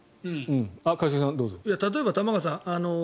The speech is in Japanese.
これ、例えば玉川さん